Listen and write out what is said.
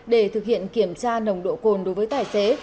để thực hiện kiểm tra nồng độ cồn đối với tài xế